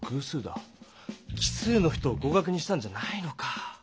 奇数の人を合かくにしたんじゃないのか。